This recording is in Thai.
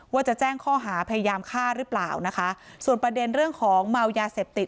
ว่าจะแจ้งข้อหาพยายามฆ่าหรือเปล่านะคะส่วนประเด็นเรื่องของเมายาเสพติด